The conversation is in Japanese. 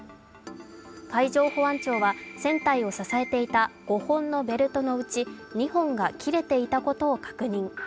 海上保安庁は、船体を支えていた５本のベルトのうち２本が切れていたことを確認。